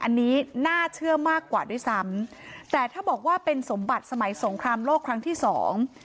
อันนี้น่าเชื่อมากกว่าด้วยซ้ำแต่ถ้าบอกว่าเป็นสมบัติสมัยสงครามโลกครั้งที่สอง